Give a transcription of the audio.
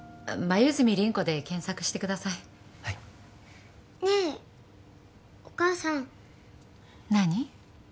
黛倫子で検索してくださいはいねえお母さん何？